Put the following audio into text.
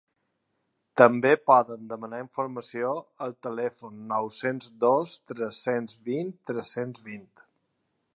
També poden demanar informació al telèfon nou-cents dos tres-cents vint tres-cents vint.